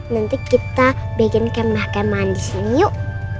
nanti kita bikin kem kem mandi sini yuk